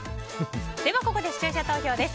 ここで、視聴者投票です。